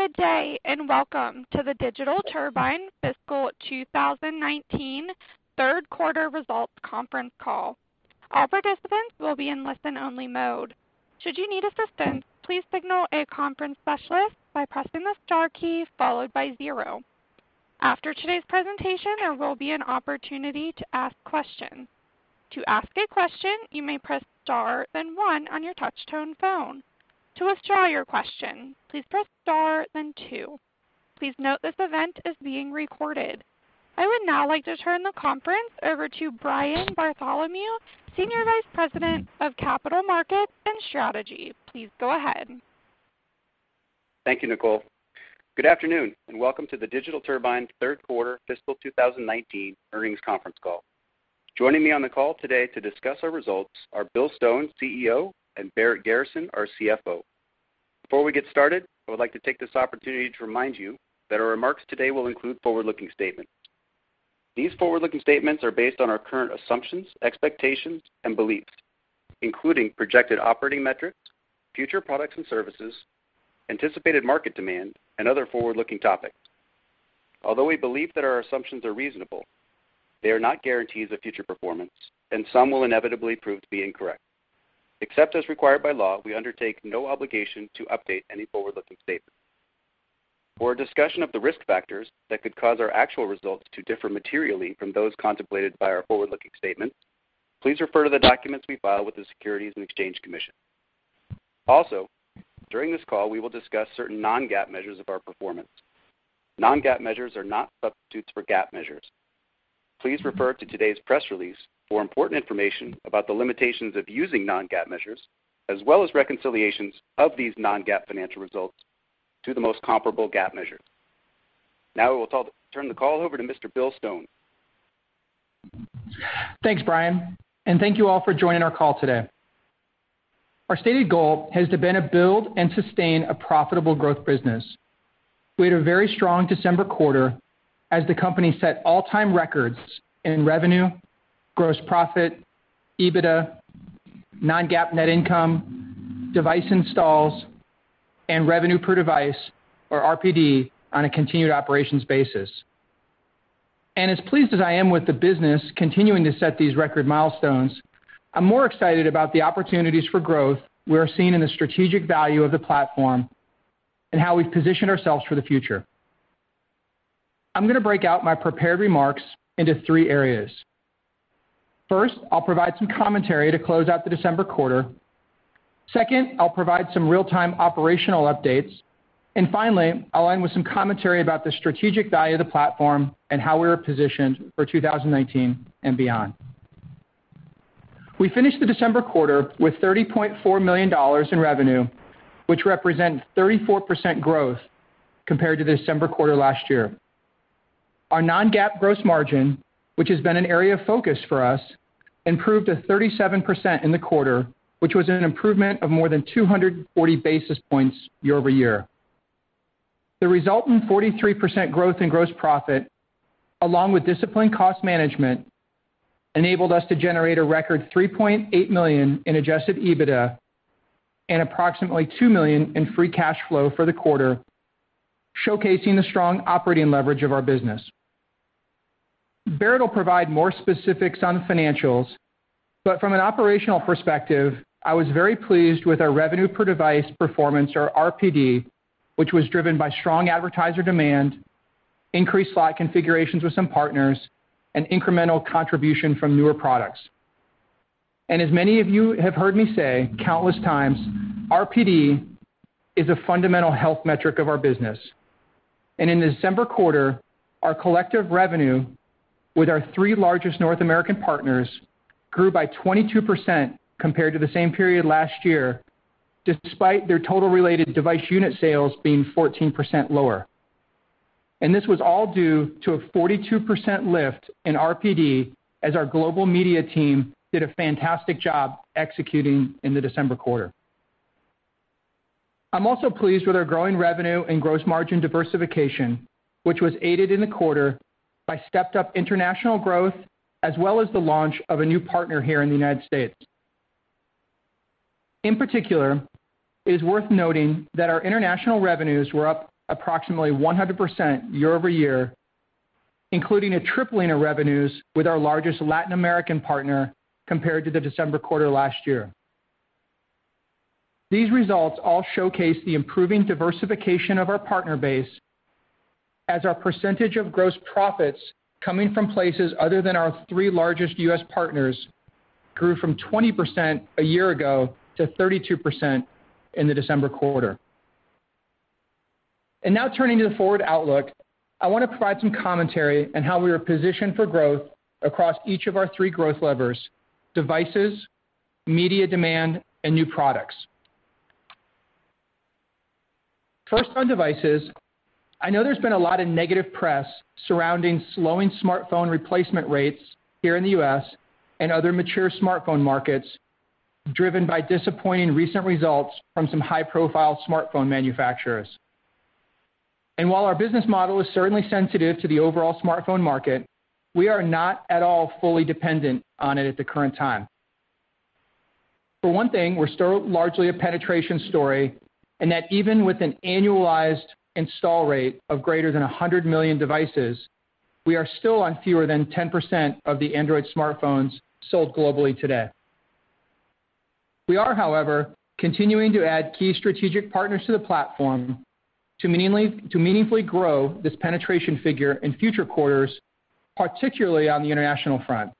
Good day. Welcome to the Digital Turbine fiscal 2019 third quarter results conference call. All participants will be in listen-only mode. Should you need assistance, please signal a conference specialist by pressing the star key followed by zero. After today's presentation, there will be an opportunity to ask questions. To ask a question, you may press star then one on your touch tone phone. To withdraw your question, please press star then two. Please note this event is being recorded. I would now like to turn the conference over to Brian Bartholomew, Senior Vice President of Capital Markets and Strategy. Please go ahead. Thank you, Nicole. Good afternoon. Welcome to the Digital Turbine third quarter fiscal 2019 earnings conference call. Joining me on the call today to discuss our results are Bill Stone, Chief Executive Officer, and Barrett Garrison, our Chief Financial Officer. Before we get started, I would like to take this opportunity to remind you that our remarks today will include forward-looking statements. These forward-looking statements are based on our current assumptions, expectations, and beliefs, including projected operating metrics, future products and services, anticipated market demand, and other forward-looking topics. Although we believe that our assumptions are reasonable, they are not guarantees of future performance, and some will inevitably prove to be incorrect. Except as required by law, we undertake no obligation to update any forward-looking statements. For a discussion of the risk factors that could cause our actual results to differ materially from those contemplated by our forward-looking statements, please refer to the documents we file with the Securities and Exchange Commission. During this call, we will discuss certain Non-GAAP measures of our performance. Non-GAAP measures are not substitutes for GAAP measures. Please refer to today's press release for important information about the limitations of using Non-GAAP measures, as well as reconciliations of these Non-GAAP financial results to the most comparable GAAP measures. We will turn the call over to Mr. Bill Stone. Thanks, Brian. Thank you all for joining our call today. Our stated goal has been to build and sustain a profitable growth business. We had a very strong December quarter as the company set all-time records in revenue, gross profit, EBITDA, Non-GAAP net income, device installs, and revenue per device, or RPD, on a continued operations basis. As pleased as I am with the business continuing to set these record milestones, I'm more excited about the opportunities for growth we are seeing in the strategic value of the platform and how we've positioned ourselves for the future. I'm going to break out my prepared remarks into three areas. First, I'll provide some commentary to close out the December quarter. Second, I'll provide some real-time operational updates. Finally, I'll end with some commentary about the strategic value of the platform and how we are positioned for 2019 and beyond. We finished the December quarter with $30.4 million in revenue, which represents 34% growth compared to the December quarter last year. Our Non-GAAP gross margin, which has been an area of focus for us, improved to 37% in the quarter, which was an improvement of more than 240 basis points year-over-year. The resultant 43% growth in gross profit, along with disciplined cost management, enabled us to generate a record $3.8 million in adjusted EBITDA and approximately $2 million in free cash flow for the quarter, showcasing the strong operating leverage of our business. Barrett will provide more specifics on financials, but from an operational perspective, I was very pleased with our revenue per device performance, or RPD, which was driven by strong advertiser demand, increased slot configurations with some partners, and incremental contribution from newer products. As many of you have heard me say countless times, RPD is a fundamental health metric of our business. In the December quarter, our collective revenue with our three largest North American partners grew by 22% compared to the same period last year, despite their total related device unit sales being 14% lower. This was all due to a 42% lift in RPD as our global media team did a fantastic job executing in the December quarter. I'm also pleased with our growing revenue and gross margin diversification, which was aided in the quarter by stepped-up international growth, as well as the launch of a new partner here in the United States. In particular, it is worth noting that our international revenues were up approximately 100% year-over-year, including a tripling of revenues with our largest Latin American partner compared to the December quarter last year. These results all showcase the improving diversification of our partner base as our percentage of gross profits coming from places other than our three largest U.S. partners grew from 20% a year ago to 32% in the December quarter. Now turning to the forward outlook, I want to provide some commentary on how we are positioned for growth across each of our three growth levers: devices, media demand, and new products. First on devices, I know there's been a lot of negative press surrounding slowing smartphone replacement rates here in the U.S. and other mature smartphone markets driven by disappointing recent results from some high-profile smartphone manufacturers. While our business model is certainly sensitive to the overall smartphone market, we are not at all fully dependent on it at the current time. For one thing, we're still largely a penetration story, and that even with an annualized install rate of greater than 100 million devices, we are still on fewer than 10% of the Android smartphones sold globally today. We are, however, continuing to add key strategic partners to the platform to meaningfully grow this penetration figure in future quarters, particularly on the international front.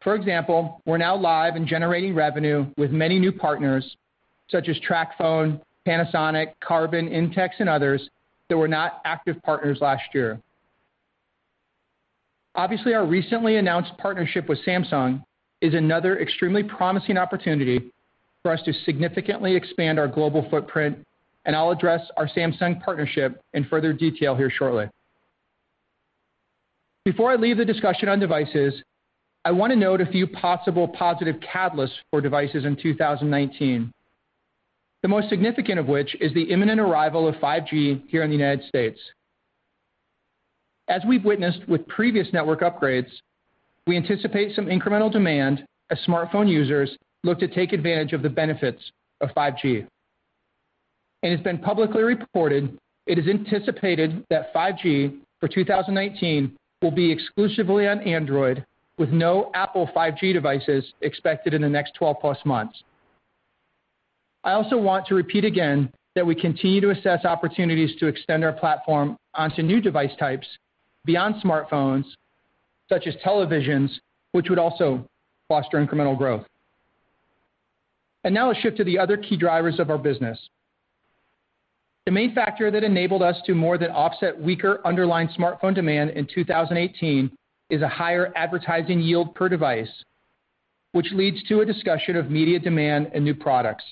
For example, we're now live and generating revenue with many new partners such as TracFone, Panasonic, Karbonn, Intex, and others that were not active partners last year. Obviously, our recently announced partnership with Samsung is another extremely promising opportunity for us to significantly expand our global footprint, and I'll address our Samsung partnership in further detail here shortly. Before I leave the discussion on devices, I want to note a few possible positive catalysts for devices in 2019. The most significant of which is the imminent arrival of 5G here in the U.S. As we've witnessed with previous network upgrades, we anticipate some incremental demand as smartphone users look to take advantage of the benefits of 5G. It's been publicly reported, it is anticipated that 5G for 2019 will be exclusively on Android with no Apple 5G devices expected in the next 12+ months. I also want to repeat again that we continue to assess opportunities to extend our platform onto new device types beyond smartphones, such as televisions, which would also foster incremental growth. Now let's shift to the other key drivers of our business. The main factor that enabled us to more than offset weaker underlying smartphone demand in 2018 is a higher advertising yield per device, which leads to a discussion of media demand and new products.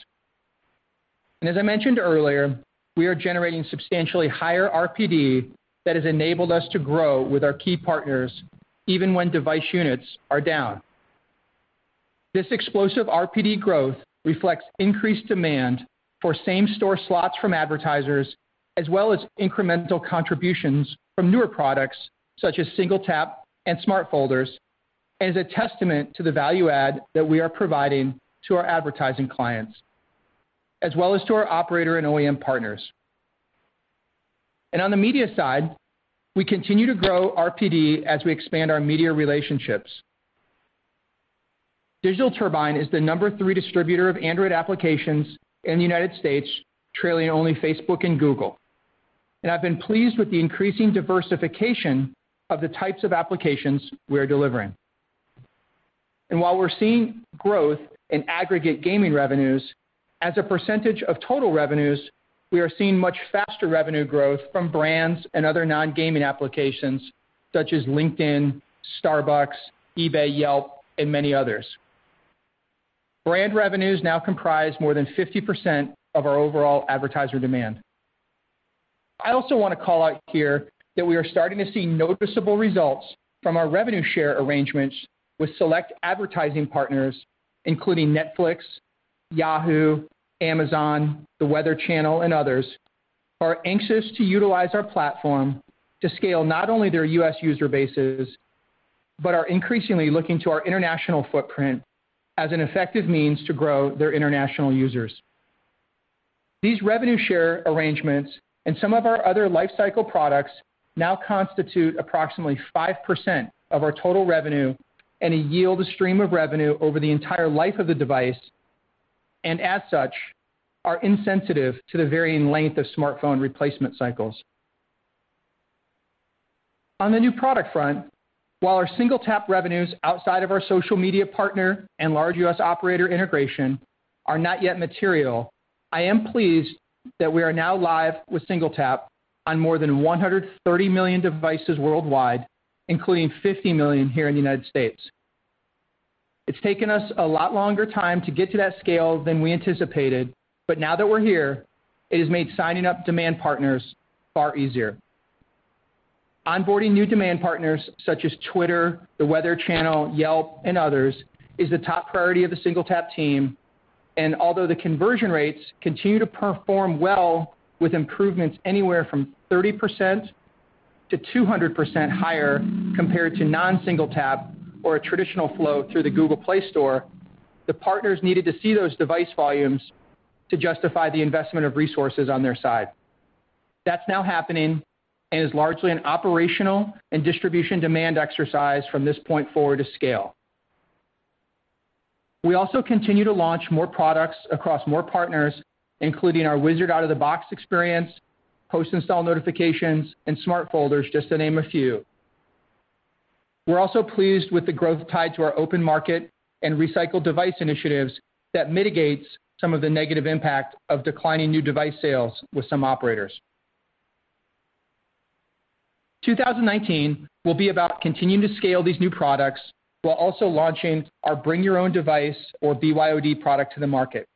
As I mentioned earlier, we are generating substantially higher RPD that has enabled us to grow with our key partners, even when device units are down. This explosive RPD growth reflects increased demand for same store slots from advertisers, as well as incremental contributions from newer products such as SingleTap and Smart Folders, and is a testament to the value add that we are providing to our advertising clients, as well as to our operator and OEM partners. On the media side, we continue to grow RPD as we expand our media relationships. Digital Turbine is the number three distributor of Android applications in the U.S., trailing only Facebook and Google. I've been pleased with the increasing diversification of the types of applications we are delivering. While we're seeing growth in aggregate gaming revenues, as a percentage of total revenues, we are seeing much faster revenue growth from brands and other non-gaming applications such as LinkedIn, Starbucks, eBay, Yelp, and many others. Brand revenues now comprise more than 50% of our overall advertiser demand. I also want to call out here that we are starting to see noticeable results from our revenue share arrangements with select advertising partners, including Netflix, Yahoo, Amazon, The Weather Channel, and others, who are anxious to utilize our platform to scale not only their U.S. user bases, but are increasingly looking to our international footprint as an effective means to grow their international users. These revenue share arrangements and some of our other lifecycle products now constitute approximately 5% of our total revenue and yield a stream of revenue over the entire life of the device. As such, are insensitive to the varying length of smartphone replacement cycles. On the new product front, while our SingleTap revenues outside of our social media partner and large U.S. operator integration are not yet material, I am pleased that we are now live with SingleTap on more than 130 million devices worldwide, including 50 million here in the United States. It's taken us a lot longer time to get to that scale than we anticipated, but now that we're here, it has made signing up demand partners far easier. Although the conversion rates continue to perform well with improvements anywhere from 30%-200% higher compared to non-SingleTap or a traditional flow through the Google Play Store, the partners needed to see those device volumes to justify the investment of resources on their side. That's now happening and is largely an operational and distribution demand exercise from this point forward to scale. We also continue to launch more products across more partners, including our Wizard Out of the Box experience, post-install notifications, and Smart Folders, just to name a few. We're also pleased with the growth tied to our open market and recycled device initiatives that mitigates some of the negative impact of declining new device sales with some operators. 2019 will be about continuing to scale these new products while also launching our Bring Your Own Device or BYOD product to the market.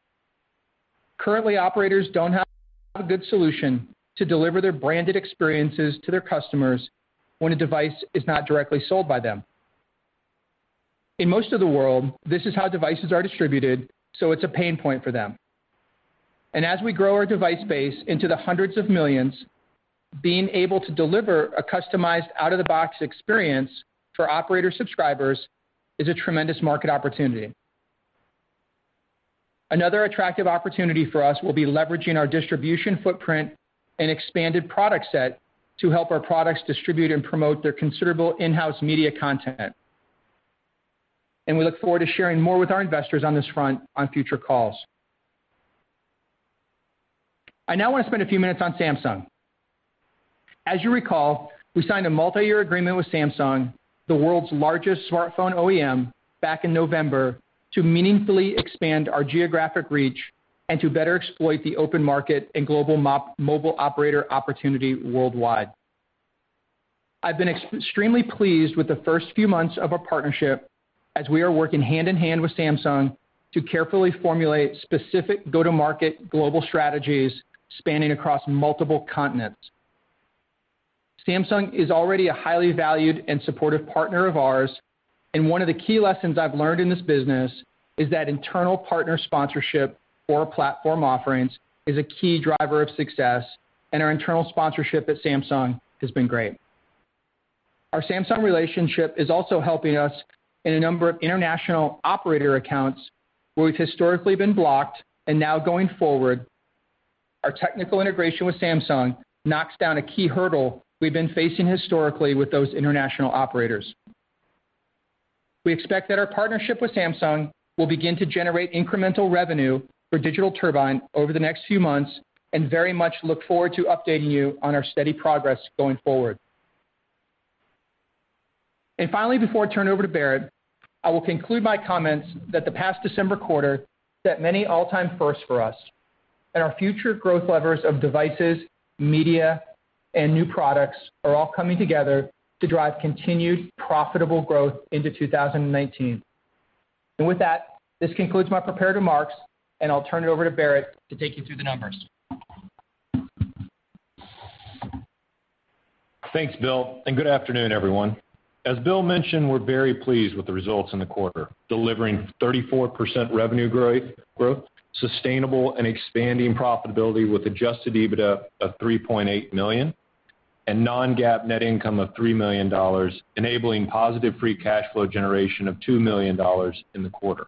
Currently, operators don't have a good solution to deliver their branded experiences to their customers when a device is not directly sold by them. In most of the world, this is how devices are distributed, so it's a pain point for them. As we grow our device base into the hundreds of millions, being able to deliver a customized out-of-the-box experience for operator subscribers is a tremendous market opportunity. Another attractive opportunity for us will be leveraging our distribution footprint and expanded product set to help our products distribute and promote their considerable in-house media content. We look forward to sharing more with our investors on this front on future calls. I now want to spend a few minutes on Samsung. As you recall, we signed a multi-year agreement with Samsung, the world's largest smartphone OEM, back in November, to meaningfully expand our geographic reach and to better exploit the open market and global mobile operator opportunity worldwide. I've been extremely pleased with the first few months of our partnership as we are working hand-in-hand with Samsung to carefully formulate specific go-to-market global strategies spanning across multiple continents. Samsung is already a highly valued and supportive partner of ours, and one of the key lessons I've learned in this business is that internal partner sponsorship for our platform offerings is a key driver of success, and our internal sponsorship at Samsung has been great. Our Samsung relationship is also helping us in a number of international operator accounts where we've historically been blocked and now going forward, our technical integration with Samsung knocks down a key hurdle we've been facing historically with those international operators. We expect that our partnership with Samsung will begin to generate incremental revenue for Digital Turbine over the next few months and very much look forward to updating you on our steady progress going forward. Finally, before I turn it over to Barrett, I will conclude my comments that the past December quarter set many all-time firsts for us, and our future growth levers of devices, media, and new products are all coming together to drive continued profitable growth into 2019. With that, this concludes my prepared remarks, and I'll turn it over to Barrett to take you through the numbers. Thanks, Bill, and good afternoon, everyone. As Bill mentioned, we're very pleased with the results in the quarter, delivering 34% revenue growth, sustainable and expanding profitability with adjusted EBITDA of $3.8 million and Non-GAAP net income of $3 million, enabling positive free cash flow generation of $2 million in the quarter.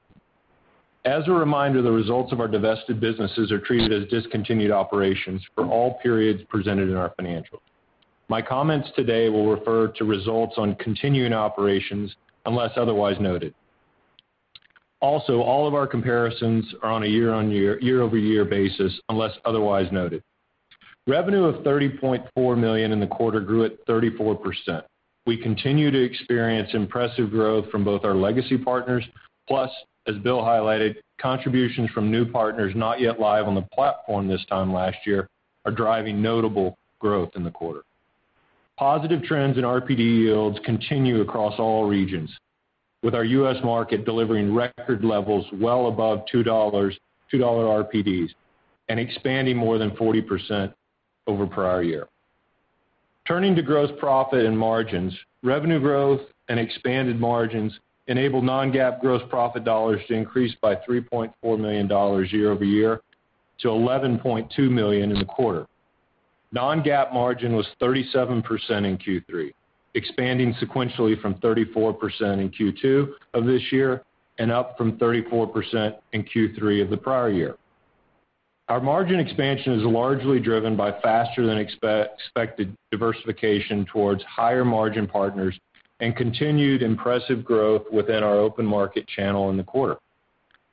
As a reminder, the results of our divested businesses are treated as discontinued operations for all periods presented in our financials. My comments today will refer to results on continuing operations unless otherwise noted. All of our comparisons are on a year-over-year basis, unless otherwise noted. Revenue of $30.4 million in the quarter grew at 34%. We continue to experience impressive growth from both our legacy partners, plus, as Bill highlighted, contributions from new partners not yet live on the platform this time last year are driving notable growth in the quarter. Positive trends in RPD yields continue across all regions, with our U.S. market delivering record levels well above $2 RPDs and expanding more than 40% over prior year. Turning to gross profit and margins, revenue growth and expanded margins enabled Non-GAAP gross profit dollars to increase by $3.4 million year-over-year to $11.2 million in the quarter. Non-GAAP margin was 37% in Q3, expanding sequentially from 34% in Q2 of this year and up from 34% in Q3 of the prior year. Our margin expansion is largely driven by faster than expected diversification towards higher margin partners and continued impressive growth within our open market channel in the quarter.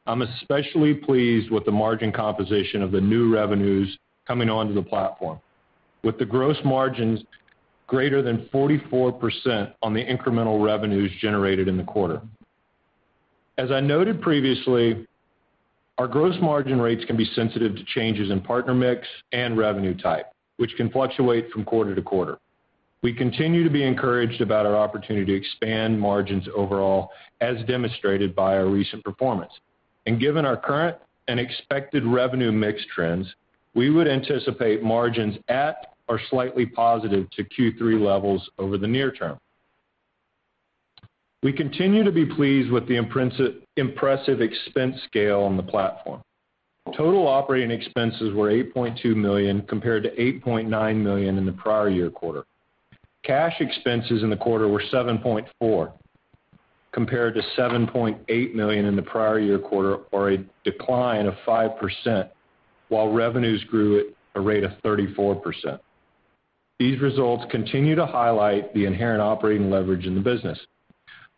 I'm especially pleased with the margin composition of the new revenues coming onto the platform with the gross margins greater than 44% on the incremental revenues generated in the quarter. As I noted previously, our gross margin rates can be sensitive to changes in partner mix and revenue type, which can fluctuate from quarter to quarter. We continue to be encouraged about our opportunity to expand margins overall, as demonstrated by our recent performance. Given our current and expected revenue mix trends, we would anticipate margins at or slightly positive to Q3 levels over the near term. We continue to be pleased with the impressive expense scale on the platform. Total operating expenses were $8.2 million, compared to $8.9 million in the prior year quarter. Cash expenses in the quarter were $7.4 compared to $7.8 million in the prior year quarter or a decline of 5%, while revenues grew at a rate of 34%. These results continue to highlight the inherent operating leverage in the business.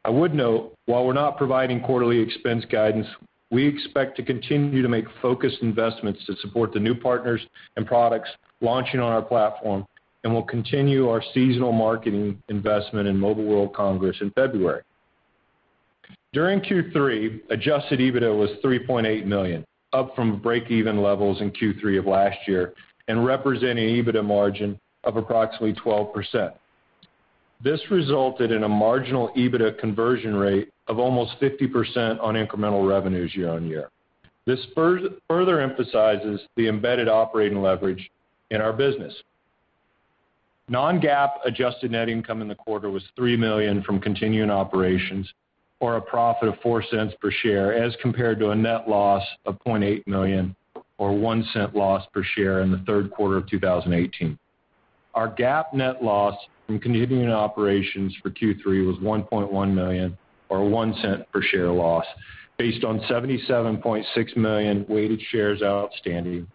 I would note while we're not providing quarterly expense guidance, we expect to continue to make focused investments to support the new partners and products launching on our platform, and we'll continue our seasonal marketing investment in Mobile World Congress in February. During Q3, adjusted EBITDA was $3.8 million, up from breakeven levels in Q3 of last year and representing EBITDA margin of approximately 12%. This resulted in a marginal EBITDA conversion rate of almost 50% on incremental revenues year-on-year. This further emphasizes the embedded operating leverage in our business. Non-GAAP adjusted net income in the quarter was $3 million from continuing operations or a profit of $0.04 per share, as compared to a net loss of $0.8 million or a $0.01 loss per share in the third quarter of 2018. Our GAAP net loss from continuing operations for Q3 was $1.1 million or a $0.01 per share loss based on 77.6 million weighted shares outstanding,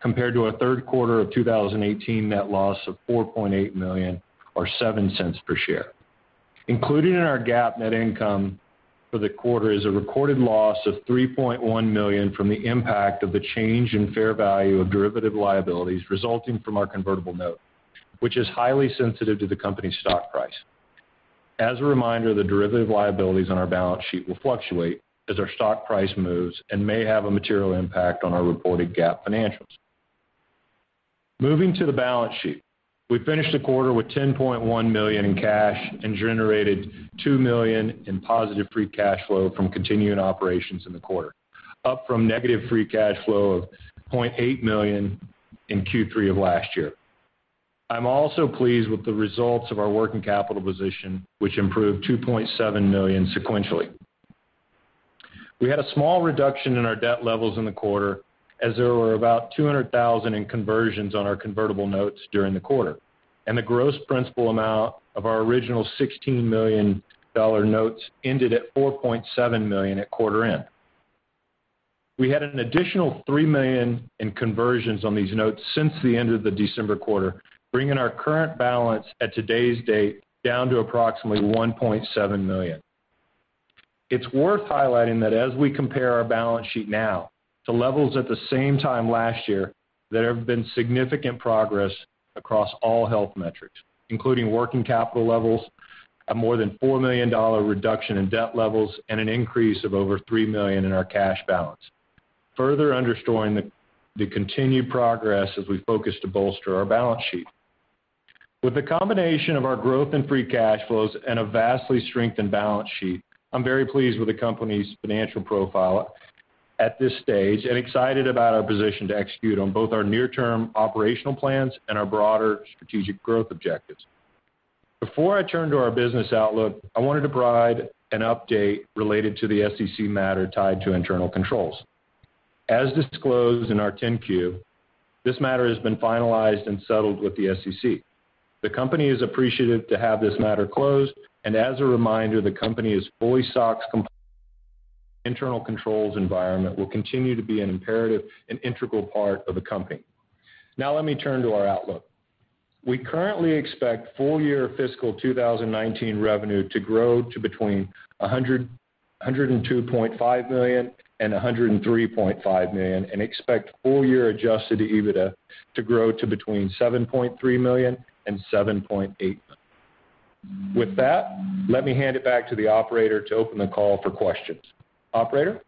compared to a third quarter of 2018 net loss of $4.8 million or $0.07 per share. Included in our GAAP net income for the quarter is a recorded loss of $3.1 million from the impact of the change in fair value of derivative liabilities resulting from our convertible note, which is highly sensitive to the company's stock price. As a reminder, the derivative liabilities on our balance sheet will fluctuate as our stock price moves and may have a material impact on our reported GAAP financials. Moving to the balance sheet. We finished the quarter with $10.1 million in cash and generated $2 million in positive free cash flow from continuing operations in the quarter, up from negative free cash flow of $0.8 million in Q3 of last year. I'm also pleased with the results of our working capital position, which improved $2.7 million sequentially. We had a small reduction in our debt levels in the quarter as there were about $200,000 in conversions on our convertible notes during the quarter, and the gross principal amount of our original $16 million notes ended at $4.7 million at quarter end. We had an additional $3 million in conversions on these notes since the end of the December quarter, bringing our current balance at today's date down to approximately $1.7 million. It's worth highlighting that as we compare our balance sheet now to levels at the same time last year, there have been significant progress across all health metrics, including working capital levels, a more than $4 million reduction in debt levels, and an increase of over $3 million in our cash balance, further underscoring the continued progress as we focus to bolster our balance sheet. With the combination of our growth in free cash flows and a vastly strengthened balance sheet, I'm very pleased with the company's financial profile at this stage and excited about our position to execute on both our near-term operational plans and our broader strategic growth objectives. Before I turn to our business outlook, I wanted to provide an update related to the SEC matter tied to internal controls. As disclosed in our 10-Q, this matter has been finalized and settled with the SEC. The company is appreciative to have this matter closed, and as a reminder, the company is fully SOX compliant. Internal controls environment will continue to be an imperative and integral part of the company. Now let me turn to our outlook. We currently expect full-year fiscal 2019 revenue to grow to between $102.5 million and $103.5 million, and expect full-year adjusted EBITDA to grow to between $7.3 million and $7.8 million. With that, let me hand it back to the operator to open the call for questions. Operator?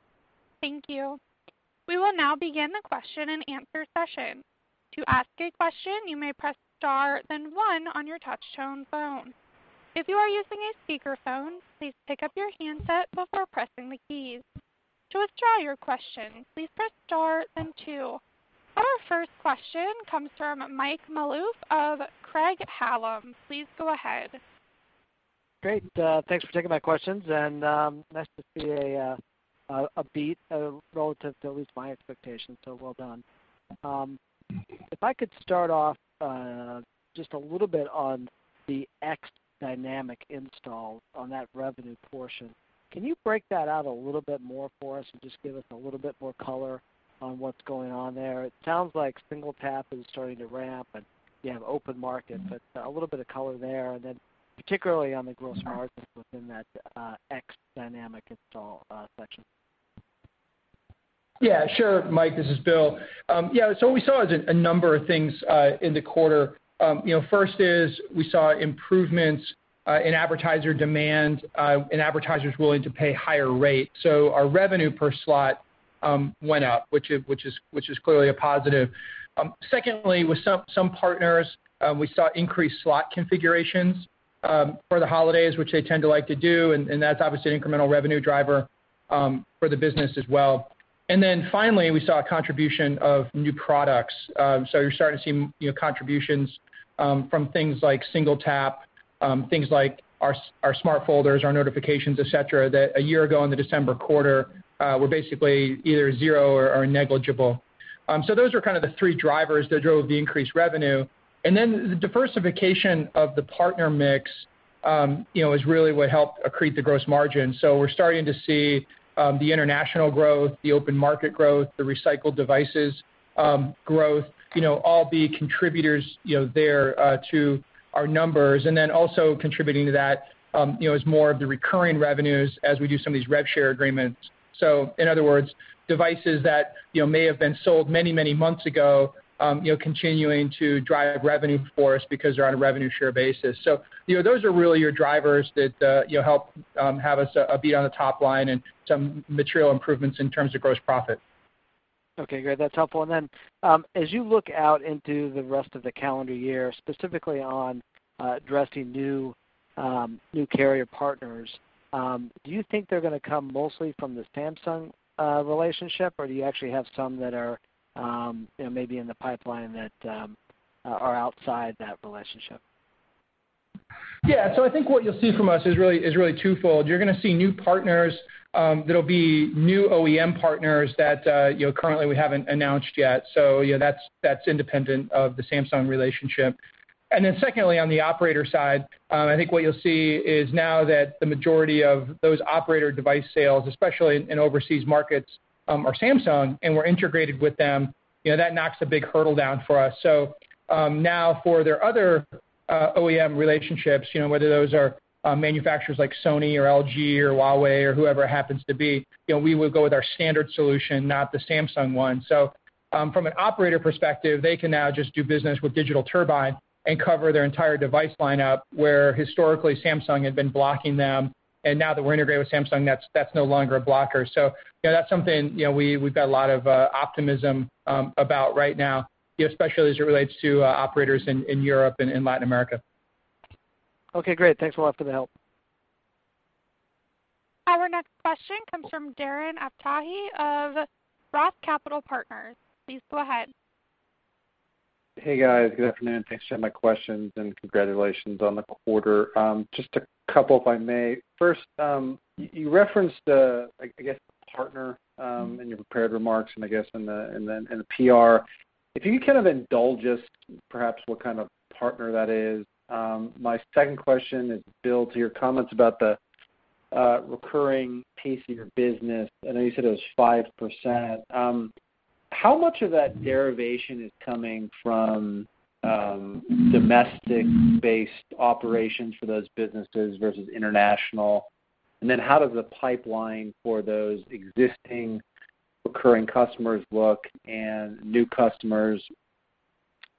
Thank you. We will now begin the question and answer session. To ask a question, you may press star then one on your touchtone phone. If you are using a speakerphone, please pick up your handset before pressing the keys. To withdraw your question, please press star then two. Our first question comes from Mike Malouf of Craig-Hallum. Please go ahead. Great. Thanks for taking my questions. Nice to see a beat relative to at least my expectations. Well done. If I could start off just a little bit on the ex dynamic install on that revenue portion. Can you break that out a little bit more for us and just give us a little bit more color on what's going on there? It sounds like SingleTap is starting to ramp and you have open market, but a little bit of color there. Particularly on the gross margins within that ex dynamic install section. Yeah, sure, Mike, this is Bill. Yeah, we saw a number of things in the quarter. First is we saw improvements in advertiser demand and advertisers willing to pay a higher rate. Our revenue per slot went up, which is clearly a positive. Secondly, with some partners, we saw increased slot configurations for the holidays, which they tend to like to do, and that's obviously an incremental revenue driver for the business as well. Finally, we saw a contribution of new products. You're starting to see contributions from things like SingleTap, things like our Smart Folders, our notifications, et cetera, that a year ago in the December quarter, were basically either zero or negligible. Those are the three drivers that drove the increased revenue. The diversification of the partner mix is really what helped accrete the gross margin. We're starting to see the international growth, the open market growth, the recycled devices growth, all the contributors there to our numbers. Also contributing to that is more of the recurring revenues as we do some of these rev share agreements. In other words, devices that may have been sold many, many months ago continuing to drive revenue for us because they're on a revenue share basis. Those are really your drivers that help have us be on the top line and some material improvements in terms of gross profit. Okay, great. That's helpful. As you look out into the rest of the calendar year, specifically on addressing new carrier partners. Do you think they're going to come mostly from the Samsung relationship, or do you actually have some that are maybe in the pipeline that are outside that relationship? Yeah. I think what you'll see from us is really twofold. You're going to see new partners that'll be new OEM partners that currently we haven't announced yet. That's independent of the Samsung relationship. Secondly, on the operator side, I think what you'll see is now that the majority of those operator device sales, especially in overseas markets, are Samsung, and we're integrated with them, that knocks a big hurdle down for us. Now for their other OEM relationships, whether those are manufacturers like Sony or LG or Huawei or whoever it happens to be, we would go with our standard solution, not the Samsung one. From an operator perspective, they can now just do business with Digital Turbine and cover their entire device lineup, where historically Samsung had been blocking them, and now that we're integrated with Samsung, that's no longer a blocker. That's something we've got a lot of optimism about right now, especially as it relates to operators in Europe and in Latin America. Okay, great. Thanks a lot for the help. Our next question comes from Darren Aftahi of ROTH Capital Partners. Please go ahead. Hey, guys. Good afternoon. Thanks for my questions, congratulations on the quarter. Just a couple, if I may. First, you referenced, I guess, a partner in your prepared remarks and I guess in the PR. If you could kind of indulge us, perhaps what kind of partner that is. My second question is, Bill, to your comments about the recurring piece of your business. I know you said it was 5%. How much of that derivation is coming from domestic-based operations for those businesses versus international? How does the pipeline for those existing recurring customers look and new customers?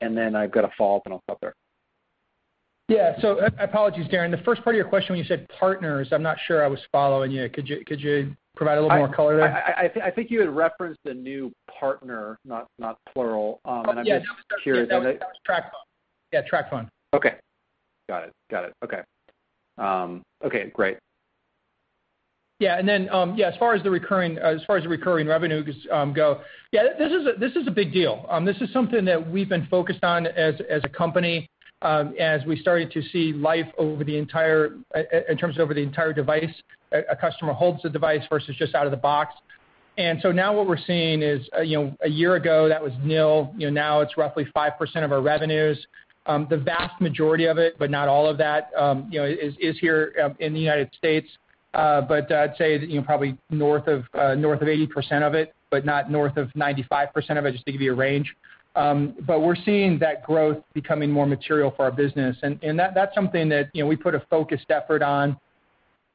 I've got a follow-up, and I'll stop there. Yeah. Apologies, Darren. The first part of your question when you said partners, I'm not sure I was following you. Could you provide a little more color there? I think you had referenced a new partner, not plural. I'm just curious on that. Yeah, that was TracFone. Yeah, TracFone. Okay. Got it. Okay. Okay, great. Yeah. Then, as far as the recurring revenue goes, yeah, this is a big deal. This is something that we've been focused on as a company, as we started to see life in terms of over the entire device, a customer holds the device versus just out of the box. So now what we're seeing is, a year ago, that was nil. Now it's roughly 5% of our revenues. The vast majority of it, but not all of that is here in the United States. I'd say that probably north of 80% of it, but not north of 95% of it, just to give you a range. We're seeing that growth becoming more material for our business, and that's something that we put a focused effort on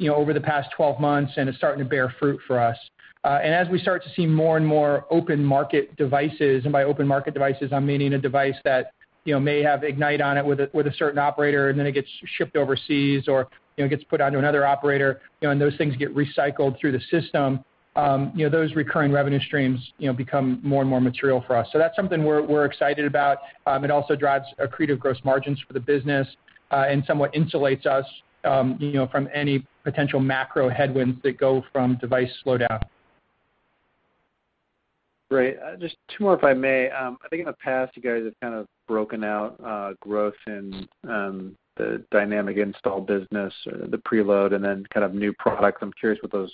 over the past 12 months, and it's starting to bear fruit for us. As we start to see more and more open market devices, and by open market devices, I mean a device that may have Ignite on it with a certain operator, then it gets shipped overseas or gets put onto another operator, and those things get recycled through the system. Those recurring revenue streams become more and more material for us. That's something we're excited about. It also drives accretive gross margins for the business, somewhat insulates us from any potential macro headwinds that go from device slowdown. Great. Just two more, if I may. I think in the past, you guys have kind of broken out growth in the dynamic install business or the preload and then kind of new products. I'm curious what those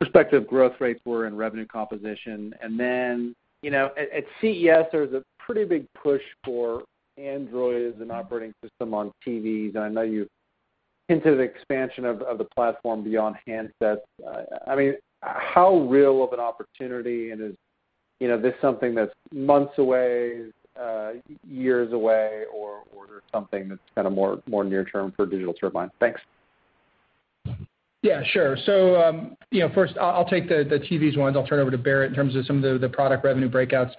respective growth rates were and revenue composition. Then, at CES, there was a pretty big push for Android as an operating system on TVs. I know you've hinted at expansion of the platform beyond handsets. How real of an opportunity, and is this something that's months away, years away, or something that's more near term for Digital Turbine? Thanks. Yeah, sure. First I'll take the TVs ones. I'll turn it over to Barrett in terms of some of the product revenue breakouts.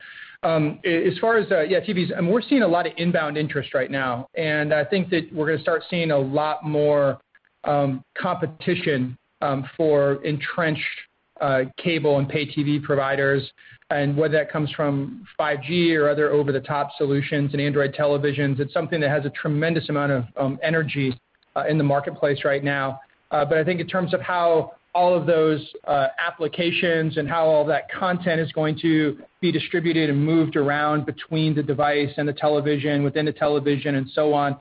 As far as TVs, we're seeing a lot of inbound interest right now, and I think that we're going to start seeing a lot more competition for entrenched cable and pay TV providers, whether that comes from 5G or other over-the-top solutions and Android televisions, it's something that has a tremendous amount of energy in the marketplace right now. I think in terms of how all of those applications and how all that content is going to be distributed and moved around between the device and the television, within the television and so on,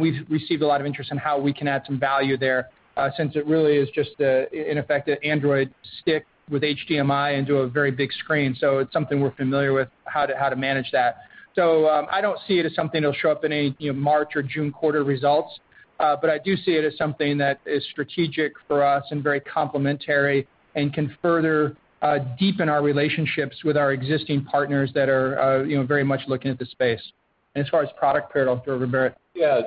we've received a lot of interest in how we can add some value there, since it really is just, in effect, an Android stick with HDMI into a very big screen. It's something we're familiar with how to manage that. I don't see it as something that'll show up in any March or June quarter results. I do see it as something that is strategic for us and very complementary and can further deepen our relationships with our existing partners that are very much looking at the space. As far as product paired, I'll throw it over to Barrett. Yeah.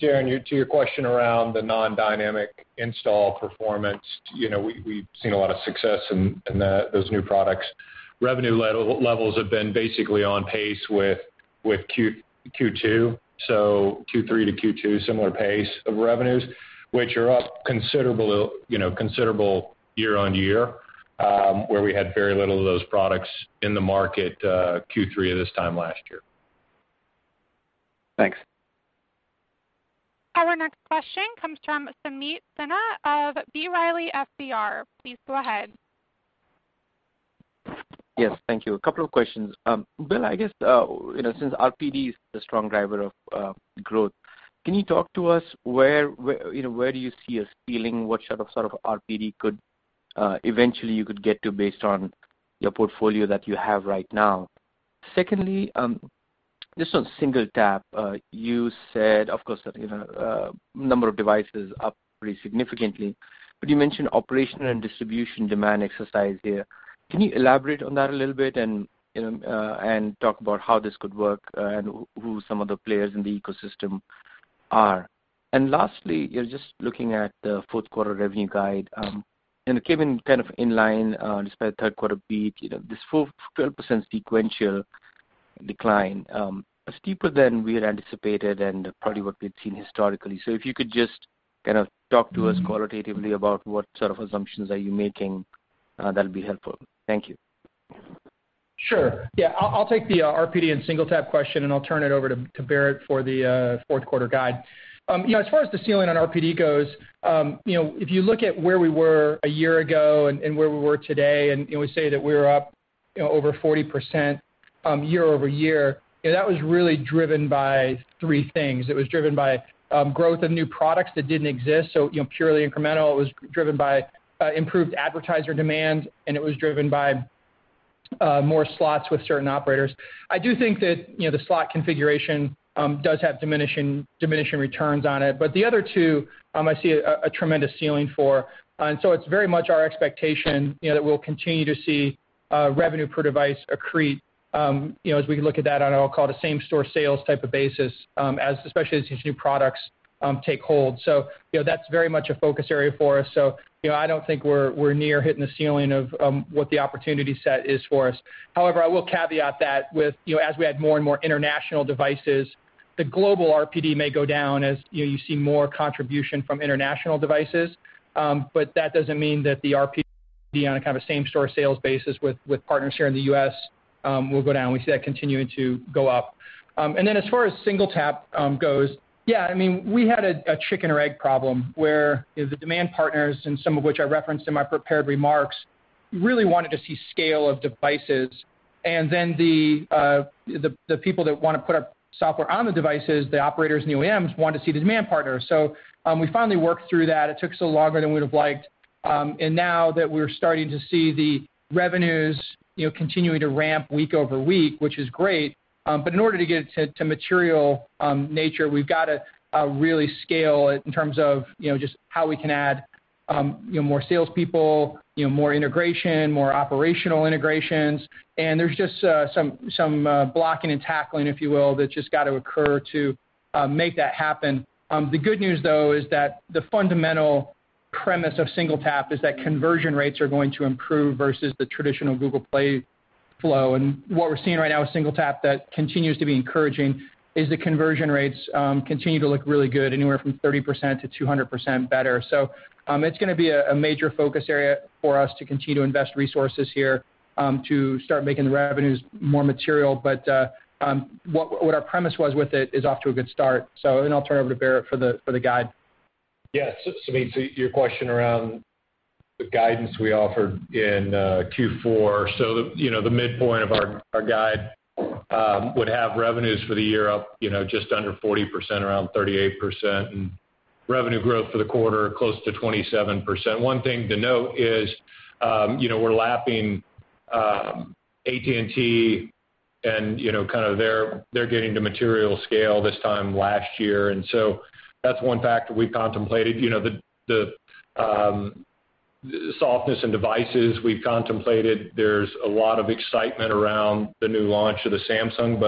Darren, to your question around the Non-Dynamic Install performance, we've seen a lot of success in those new products. Revenue levels have been basically on pace with Q2. Q3-Q2, similar pace of revenues, which are up considerable year-on-year. Where we had very little of those products in the market, Q3 of this time last year. Thanks. Our next question comes from Sameet Sinha of B. Riley FBR. Please go ahead. Yes, thank you. A couple of questions. Bill, I guess, since RPD is a strong driver of growth, can you talk to us where do you see us feeling? What sort of RPD eventually you could get to based on your portfolio that you have right now? Secondly, just on SingleTap, you said, of course, number of devices up pretty significantly. But you mentioned operational and distribution demand exercise here. Can you elaborate on that a little bit and talk about how this could work and who some of the players in the ecosystem are? Lastly, just looking at the fourth quarter revenue guide, and it came in kind of inline, despite third quarter beat, this 12% sequential decline is steeper than we had anticipated and probably what we've seen historically. If you could just kind of talk to us qualitatively about what sort of assumptions are you making, that'll be helpful. Thank you. Sure. Yeah. I'll take the RPD and SingleTap question, and I'll turn it over to Barrett for the fourth quarter guide. As far as the ceiling on RPD goes, if you look at where we were a year ago and where we were today, and we say that we're up over 40% year-over-year, that was really driven by three things. It was driven by growth of new products that didn't exist, purely incremental. It was driven by improved advertiser demand, and it was driven by more slots with certain operators. I do think that the slot configuration does have diminishing returns on it. The other two, I see a tremendous ceiling for. It's very much our expectation that we'll continue to see revenue per device accrete as we look at that on, I'll call it, a same-store sales type of basis, especially as these new products take hold. That's very much a focus area for us. I don't think we're near hitting the ceiling of what the opportunity set is for us. However, I will caveat that with, as we add more and more international devices, the global RPD may go down as you see more contribution from international devices. That doesn't mean that the RPD on a kind of a same-store sales basis with partners here in the U.S. will go down. We see that continuing to go up. As far as SingleTap goes, yeah, we had a chicken or egg problem where the demand partners, and some of which I referenced in my prepared remarks, really wanted to see scale of devices. The people that want to put our software on the devices, the operators and OEMs, wanted to see the demand partners. We finally worked through that. It took us a lot longer than we'd have liked. Now that we're starting to see the revenues continuing to ramp week over week, which is great. In order to get it to material nature, we've got to really scale it in terms of just how we can add more salespeople, more integration, more operational integrations, and there's just some blocking and tackling, if you will, that's just got to occur to make that happen. The good news, though, is that the fundamental premise of SingleTap is that conversion rates are going to improve versus the traditional Google Play flow. What we're seeing right now with SingleTap that continues to be encouraging is the conversion rates continue to look really good, anywhere from 30%-200% better. It's going to be a major focus area for us to continue to invest resources here to start making the revenues more material. What our premise was with it is off to a good start. I'll turn it over to Barrett for the guide. Yes. Sameet, your question around the guidance we offered in Q4. The midpoint of our guide would have revenues for the year up just under 40%, around 38%, and revenue growth for the quarter, close to 27%. One thing to note is we're lapping AT&T and kind of their getting to material scale this time last year, that's one factor we contemplated. The softness in devices we've contemplated. There's a lot of excitement around the new launch of the Samsung,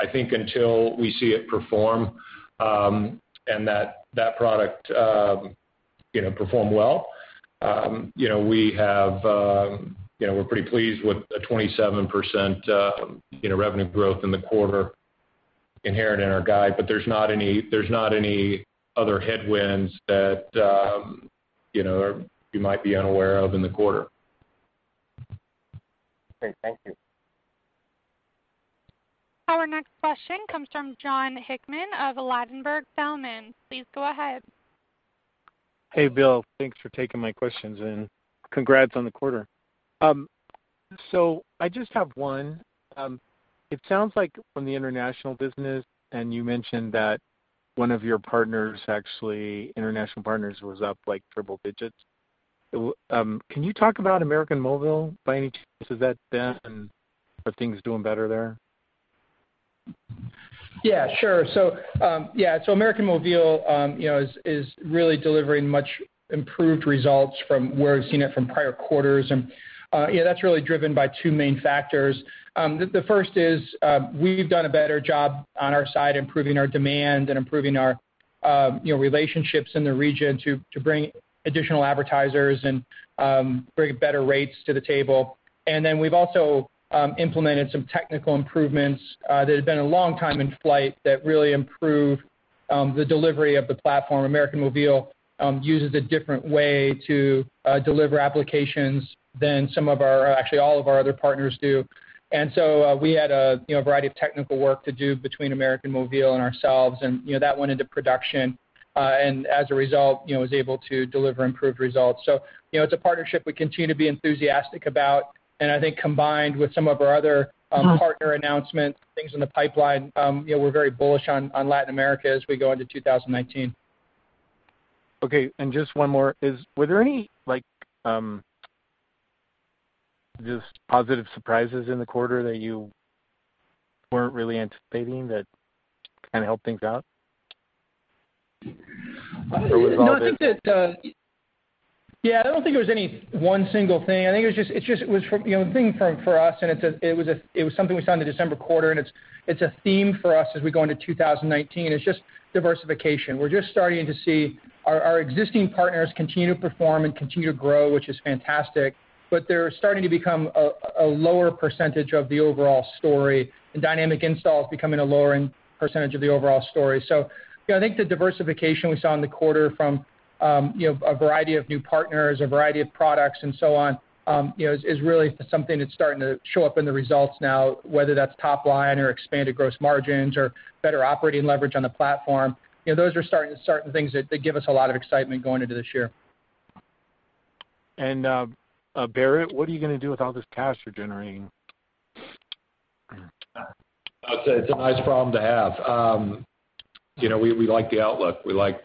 I think until we see it perform and that product perform well. We're pretty pleased with a 27% revenue growth in the quarter inherent in our guide, there's not any other headwinds that you might be unaware of in the quarter. Great. Thank you. Our next question comes from Jon Hickman of Ladenburg Thalmann. Please go ahead. Hey, Bill. Thanks for taking my questions, and congrats on the quarter. I just have one. It sounds like from the international business, you mentioned that one of your partners actually, international partners, was up like triple digits. Can you talk about América Móvil by any chance? Is that them, are things doing better there? Yeah, sure. América Móvil is really delivering much improved results from where we've seen it from prior quarters, and that's really driven by two main factors. The first is we've done a better job on our side improving our demand and improving our relationships in the region to bring additional advertisers and bring better rates to the table. We've also implemented some technical improvements that have been a long time in flight that really improve the delivery of the platform. América Móvil uses a different way to deliver applications than some of our, actually all of our other partners do. We had a variety of technical work to do between América Móvil and ourselves, and that went into production. As a result, was able to deliver improved results. It's a partnership we continue to be enthusiastic about. I think combined with some of our other partner announcements, things in the pipeline, we're very bullish on Latin America as we go into 2019. Okay. Just one more. Were there any just positive surprises in the quarter that you weren't really anticipating that kind of helped things out? No, I think that, yeah, I don't think it was any one single thing. I think it was just, the thing for us, and it was something we saw in the December quarter, and it's a theme for us as we go into 2019, is just diversification. We're just starting to see our existing partners continue to perform and continue to grow, which is fantastic, but they're starting to become a lower percentage of the overall story, and dynamic installs becoming a lower percentage of the overall story. I think the diversification we saw in the quarter from a variety of new partners, a variety of products and so on, is really something that's starting to show up in the results now. Whether that's top line or expanded gross margins or better operating leverage on the platform. Those are certain things that give us a lot of excitement going into this year. Barrett, what are you going to do with all this cash you're generating? I'd say it's a nice problem to have. We like the outlook. We like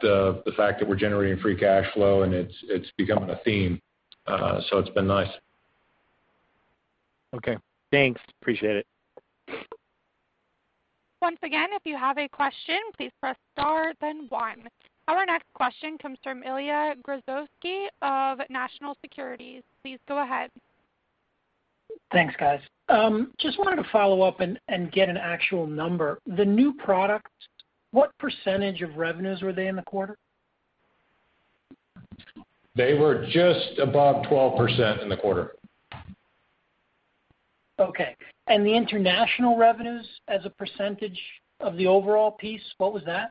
the fact that we're generating free cash flow, and it's becoming a theme. It's been nice. Okay. Thanks. Appreciate it. Once again, if you have a question, please press star then one. Our next question comes from Ilya Grozovsky of National Securities. Please go ahead. Thanks, guys. Just wanted to follow up and get an actual number. The new products, what percentage of revenues were they in the quarter? They were just above 12% in the quarter. Okay. The international revenues as a % of the overall piece, what was that?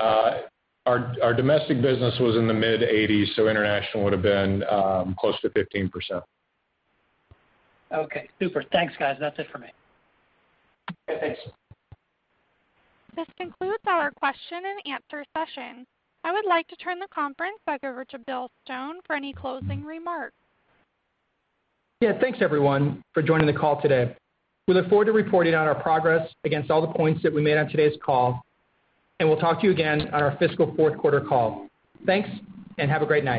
Our domestic business was in the mid 80s, so international would've been close to 15%. Okay, super. Thanks, guys. That's it for me. Okay, thanks. This concludes our question and answer session. I would like to turn the conference back over to Bill Stone for any closing remarks. Yeah. Thanks, everyone, for joining the call today. We look forward to reporting on our progress against all the points that we made on today's call, and we'll talk to you again on our fiscal fourth quarter call. Thanks, and have a great night.